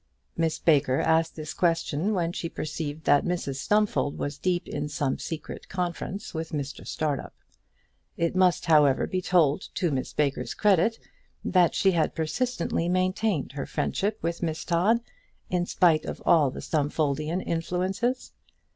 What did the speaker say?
Miss Baker asked this question when she perceived that Mrs Stumfold was deep in some secret conference with Mr Startup. It must, however, be told to Miss Baker's credit, that she had persistently maintained her friendship with Miss Todd, in spite of all the Stumfoldian influences.